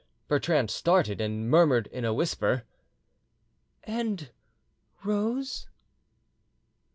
Bertrande started, and murmured in a whisper, "And Rose?"